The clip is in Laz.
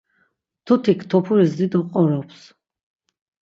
Mtutik topuris dido qorops.